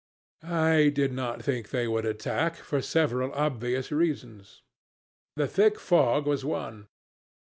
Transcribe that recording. "I did not think they would attack, for several obvious reasons. The thick fog was one.